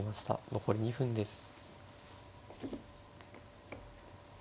残り２分です。